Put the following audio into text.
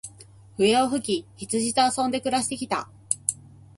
笛を吹き、羊と遊んで暮して来た。